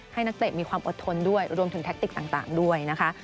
นักเตะมีความอดทนด้วยรวมถึงแท็กติกต่างด้วยนะคะ